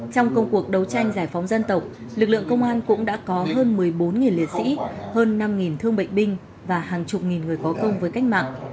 trong công cuộc đấu tranh giải phóng dân tộc lực lượng công an cũng đã có hơn một mươi bốn liệt sĩ hơn năm thương bệnh binh và hàng chục nghìn người có công với cách mạng